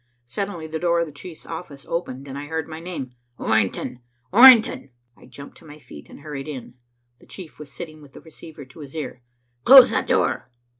Suddenly the door of the chief's office opened, and I heard my name. "Orrington! Orrington!" I jumped to my feet and hurried in. The chief was sitting with the receiver to his ear. "Close that door!"